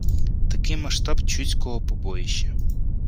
Такий масштаб «Чудського побоїща»